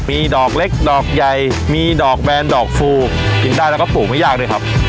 มีดอกเล็กดอกใหญ่มีดอกแบนดอกฟูกินได้แล้วก็ปลูกไม่ยากด้วยครับ